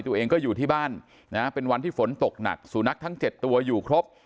ตัวเองก็อยู่ที่บ้านนะเป็นวันที่ฝนตกหนักสูนักทั้ง๗ตัวอยู่ครบ